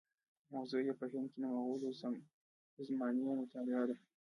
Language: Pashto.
موضوع یې په هند کې د مغولو د زمانې مطالعه ده.